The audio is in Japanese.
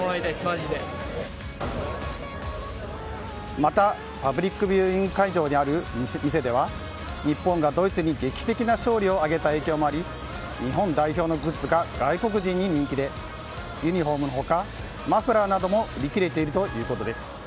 またパブリックビューイング会場にある店では日本がドイツに劇的な勝利を挙げた影響もあり日本代表のグッズが外国人に人気でユニホームの他マフラーなども売り切れているということです。